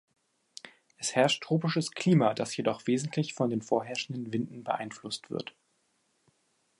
Es herrscht tropisches Klima, das jedoch wesentlich von den vorherrschenden Winden beeinflusst wird.